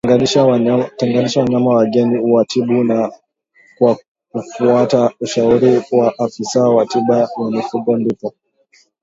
Tenganisha wanyama wageni uwatibu kwa kufuata ushauri wa afisa wa tiba ya mifugo ndipo